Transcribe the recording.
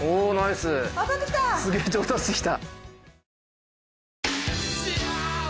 すげえ上達した。